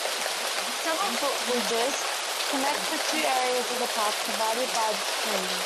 Several foot bridges connect the two areas of the park divided by the stream.